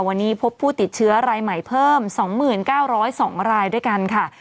วันนี้พบผู้ติดเชื้อรายใหม่เพิ่ม๒๙๐๒รายด้วยกันค่ะ